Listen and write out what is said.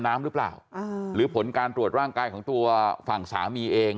น้ำหรือเปล่าหรือผลการตรวจร่างกายของตัวฝั่งสามีเอง